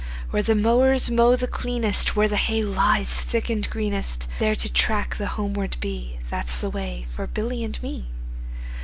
Where the mowers mow the cleanest, Where the hay lies thick and greenest, 10 There to track the homeward bee, That 's the way for Billy and me.